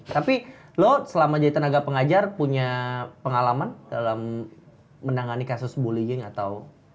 tapi lo selama jadi tenaga pengajar punya pengalaman dalam menangani kasus bullying atau